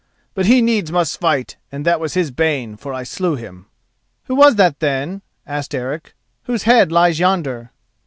But he needs must fight and that was his bane, for I slew him." "Who was that, then," asked Eric, "whose head lies yonder?"